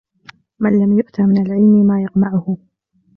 مَنْ لَمْ يُؤْتَ مِنْ الْعِلْمِ مَا يَقْمَعُهُ